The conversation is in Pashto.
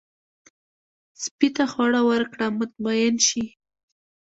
سپي ته خواړه ورکړه، مطمئن شي.